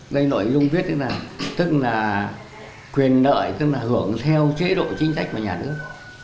đây nội dung viết tức là quyền nợi tức là hưởng theo chế độ chính sách của nhà nước